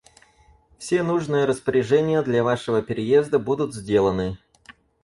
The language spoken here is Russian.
Все нужные распоряжения для вашего переезда будут сделаны.